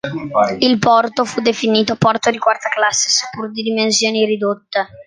Il porto fu definito "porto di quarta classe", seppur di dimensioni ridotte.